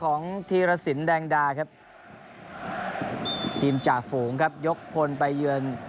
ธีรสินแดงดาครับทีมจ่าฝูงครับยกพลไปเยือน